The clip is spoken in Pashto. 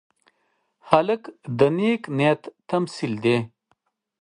هلک د نیک نیت تمثیل دی.